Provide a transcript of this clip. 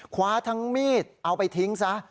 คว้าทั้งมีดเอาไปทิ้งซะ